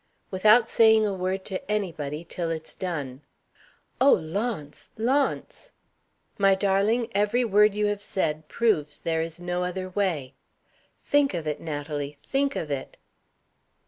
"Without saying a word to anybody till it's done." "Oh, Launce! Launce!" "My darling, every word you have said proves there is no other way. Think of it, Natalie, think of it."